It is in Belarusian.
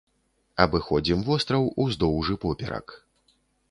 Абыходзім востраў уздоўж і поперак.